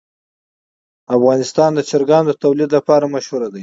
افغانستان د چرګانو د تولید لپاره مشهور دی.